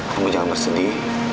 kamu jangan bersedih